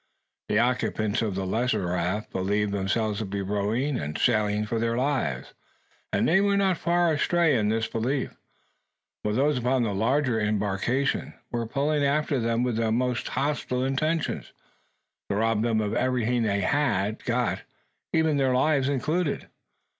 The occupants of the lesser raft believed themselves to be rowing and sailing for their lives; and they were not far astray in this belief; while those upon the larger embarkation were pulling after them with the most hostile intentions, to rob them of everything they had got, even their lives included.